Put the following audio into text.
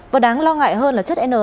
và đáng lo ngại hơn là chất n hai